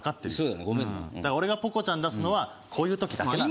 なごめんなだから俺がポコちゃん出すのはこういうときだけなんだ